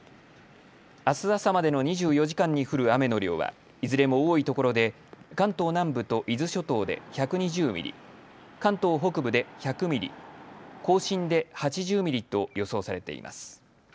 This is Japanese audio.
あす朝までの２４時間に降る雨の量はいずれも多いところで関東南部と伊豆諸島で１２０ミリ、関東北部で１００ミリ、甲信で８０ミリと予想されています。